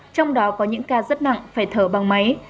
trong đó có những ca rất nặng phải thở bằng máy